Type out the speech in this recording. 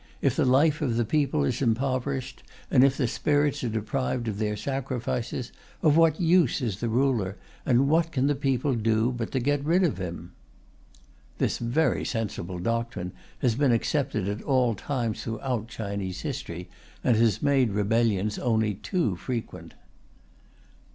If the life of the people is impoverished, and if the spirits are deprived of their sacrifices, of what use is the ruler, and what can the people do but get rid of him?" This very sensible doctrine has been accepted at all times throughout Chinese history, and has made rebellions only too frequent.